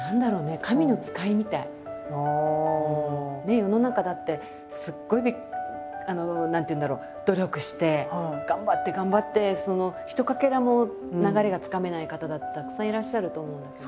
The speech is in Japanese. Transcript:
世の中だってすっごい何ていうんだろう努力して頑張って頑張ってひとかけらも流れがつかめない方だってたくさんいらっしゃると思うんだけど。